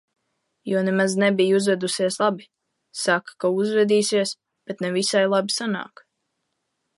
Jo nemaz nebija uzvedusies labi. Saka, ka uzvedīsies, bet ne visai labi sanāk.